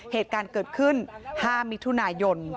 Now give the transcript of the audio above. เหตุการณ์เกิดขึ้น๕มิถุนายน